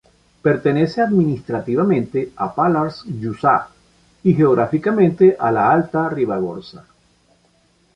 Pertenece administrativamente el Pallars Jussá y geográficamente a la Alta Ribagorza.